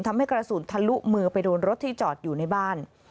ทำให้กระสุนทะลุมือไปโดนรถที่จอดอยู่ในบ้าน